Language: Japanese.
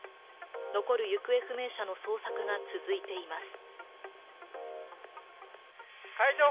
残る行方不明者の捜索が続いています。